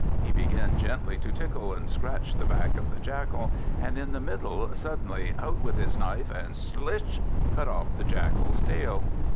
He began gently to tickle and scratch the back of the Jackal, and in the middle, suddenly out with his knife, and slish! cut off the Jackal's tail.